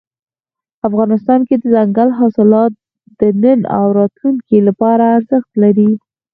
افغانستان کې دځنګل حاصلات د نن او راتلونکي لپاره ارزښت لري.